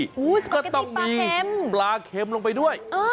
สปาเก็ตตี้ปลาเข็มก็ต้องมีปลาเข็มลงไปด้วย